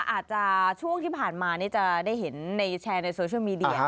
อาจจะช่วงที่ผ่านมานี่จะได้เห็นในแชร์ในโซเชียลมีเดีย